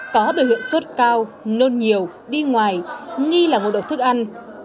có biểu hiện sốt cao nôn nhiều đi ngoài nghi là ngộ độc thức ăn